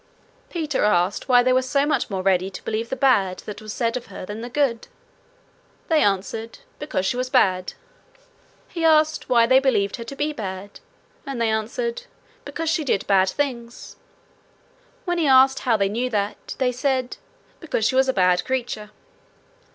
Peter asked why they were so much more ready to believe the bad that was said of her than the good. They answered, because she was bad. He asked why they believed her to be bad, and they answered, because she did bad things. When he asked how they knew that, they said, because she was a bad creature.